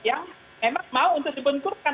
yang memang mau untuk dibenturkan